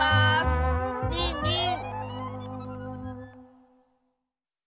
ニンニン！